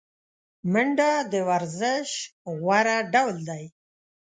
منډه د ورزش غوره ډول دی